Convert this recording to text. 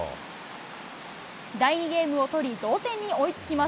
第２ゲームを取り、同点に追いつきます。